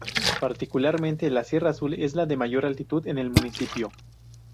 Particularmente la Sierra Azul es la de mayor altitud en el municipio.